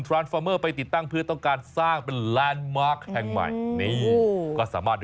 เรื่องของทรานฟอร์เมอร์